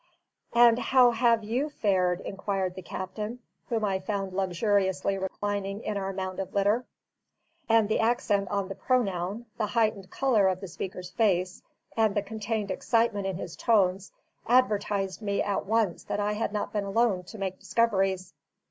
"And how have YOU fared?" inquired the captain, whom I found luxuriously reclining in our mound of litter. And the accent on the pronoun, the heightened colour of the speaker's face, and the contained excitement in his tones, advertised me at once that I had not been alone to make discoveries.